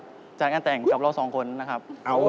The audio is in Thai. พี่จะแบบจัดการแต่งกับเรา๒คนนะครับ